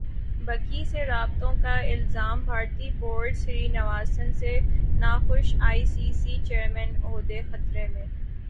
بکی سے رابطوں کا الزام بھارتی بورڈ سری نواسن سے ناخوش ئی سی سی چیئرمین کا عہدہ خطرے میں